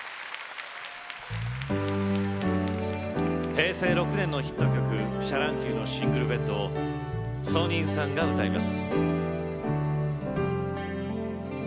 平成６年のヒット曲シャ乱Ｑの「シングルベッド」をソニンさんが歌います。